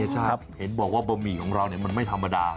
เห็นบอกว่าบะหมูของเราไม่ธรรมดา